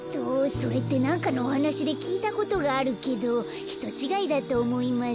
それってなんかのおはなしできいたことがあるけどひとちがいだとおもいます。